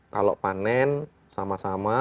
kalau panen sama sama